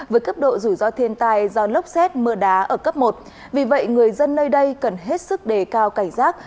với cấp độ rủi ro thiên tai do lốc xét mưa đá ở cấp một vì vậy người dân nơi đây cần hết sức đề cao cảnh giác